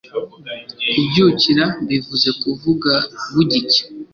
Kubyukira bivuze Kuvuga bugicya